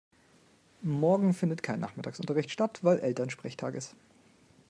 Morgen findet kein Nachmittagsunterricht statt, weil Elternsprechtag ist.